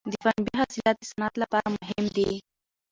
د پنبې حاصلات د صنعت لپاره مهم دي.